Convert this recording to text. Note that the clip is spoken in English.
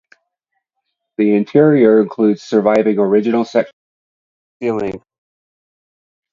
The interior includes surviving original sections of tin ceilings.